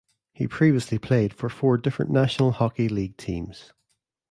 He previously played for four different National Hockey League teams.